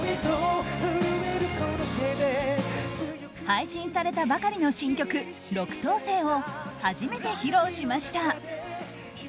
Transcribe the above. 配信されたばかりの新曲「六等星」を初めて披露しました。